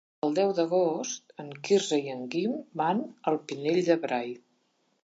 El deu d'agost en Quirze i en Guim van al Pinell de Brai.